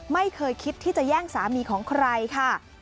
ไม่เคยคิดที่จะแย่งสามีของใครค่ะ